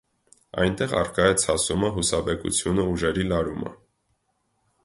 Այնտեղ առկա է ցասումը, հուսաբեկությունը, ուժերի լարումը։